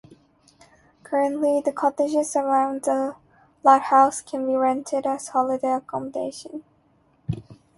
Currently, the cottages around the lighthouse can be rented as holiday accommodation.